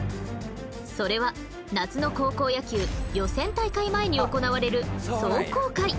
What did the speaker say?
それは夏の高校野球予選大会前に行われる壮行会。